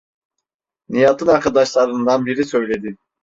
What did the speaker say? Nihat’ın arkadaşlarından biri söyledi.